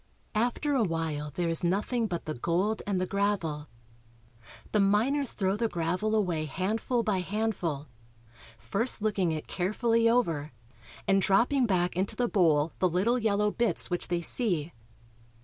After a while there is nothing but the gold and the gravel. The miners throw the gravel away handful by handful, first looking it carefully over and dropping back into the bowl the little yellow bits which they see.